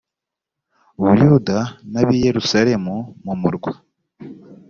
buyuda n ab i yerusalemu mu murwa